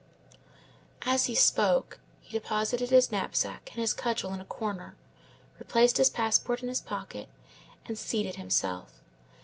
As he spoke, he deposited his knapsack and his cudgel in a corner, replaced his passport in his pocket, and seated himself.